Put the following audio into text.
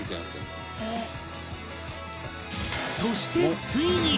そしてついに！